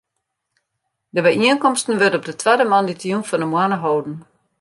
De byienkomsten wurde op de twadde moandeitejûn fan de moanne holden.